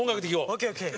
ＯＫＯＫ！